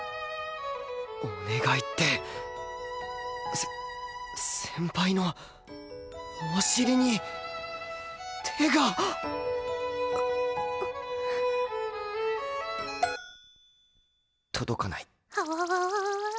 お願いってせ先輩のお尻に手が届かない。